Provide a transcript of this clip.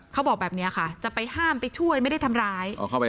เขาบอกแบบนี้ค่ะจะไปห้ามไปช่วยไม่ได้ทำร้าย